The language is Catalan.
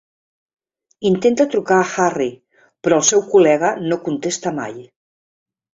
Intenta trucar a Harry, però el seu col·lega no contesta mai.